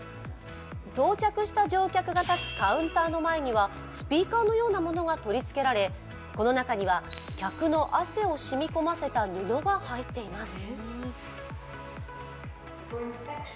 到着した乗客がたつカウンターの前にはスピーカーのようなものが取り付けられこの中には客の汗を染み込ませた布が入っています。